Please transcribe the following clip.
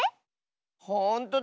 ほんとだ！